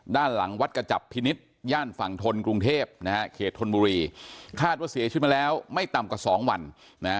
ด้านหลังวัดกระจับพินิษฐ์ย่านฝั่งทนกรุงเทพนะฮะเขตธนบุรีคาดว่าเสียชีวิตมาแล้วไม่ต่ำกว่าสองวันนะฮะ